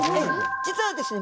実はですね